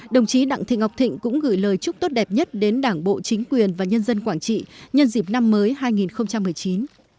đồng chí đặng thị ngọc thịnh cũng gửi lời chúc tốt đẹp nhất đến đảng bộ chính quyền và nhân dân quảng trị nhân dịp năm mới hai nghìn một mươi chín